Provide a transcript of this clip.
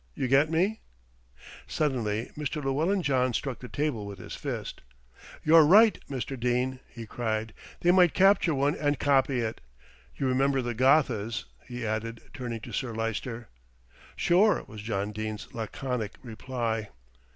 You get me?" Suddenly Mr. Llewellyn John struck the table with his fist. "You're right, Mr. Dene," he cried; "they might capture one and copy it. You remember the Gothas," he added, turning to Sir Lyster. "Sure," was John Dene's laconic reply.